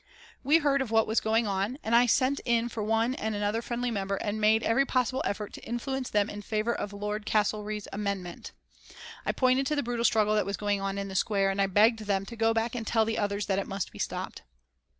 We heard of what was going on, and I sent in for one and another friendly member and made every possible effort to influence them in favour of Lord Castlereagh's amendment. I pointed to the brutal struggle that was going on in the square, and I begged them to go back and tell the others that it must be stopped.